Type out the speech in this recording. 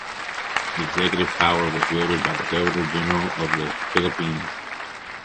The Executive power was wielded by the Governor-General of the Philippines.